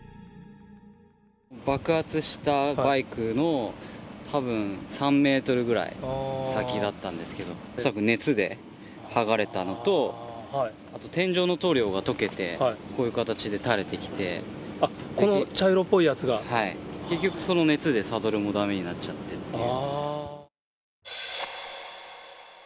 爆発したバイクのたぶん３メートルぐらい先だったんですけど、たぶん熱で剥がれたのと、あと天井の塗料が溶けて、あっ、この茶色っぽいやつが結局、その熱でサドルもだめになっちゃってっていう。